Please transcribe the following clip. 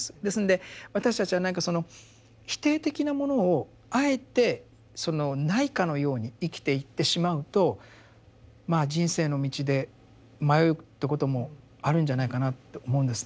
ですんで私たちは何かその否定的なものをあえてそのないかのように生きていってしまうとまあ人生の道で迷うということもあるんじゃないかなって思うんですね。